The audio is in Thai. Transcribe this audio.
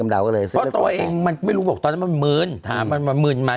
แม่หนูเมิน